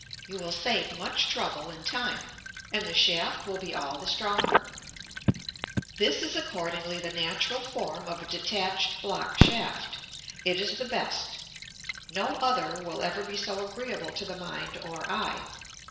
you will save much trouble and time, and the shaft will be all the stronger. [Illustration: Fig. XIII.] This is accordingly the natural form of a detached block shaft. It is the best. No other will ever be so agreeable to the mind or eye.